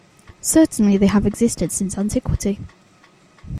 Certainly they have existed since antiquity.